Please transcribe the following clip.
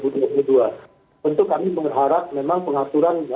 tentu kami berharap memang pengaturan